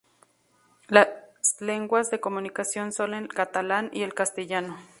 Las lenguas de comunicación son el catalán y el castellano.